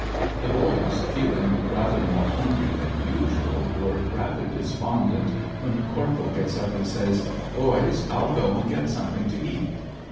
The boys feeling rather more hungry than usual were rather despondent, when the corporal gets up and says: "Boys, I'll go and get something to eat."